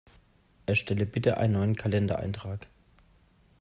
Erstelle bitte einen neuen Kalendereintrag!